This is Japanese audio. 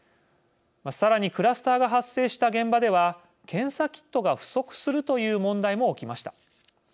さらにクラスターが発生した現場では検査キットが不足するという問題も起きました。